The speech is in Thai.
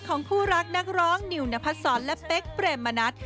ของคู่รักนักร้องนิวนพัดศรและเป๊กเปรมมณัฐ